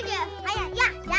jangan tipu aja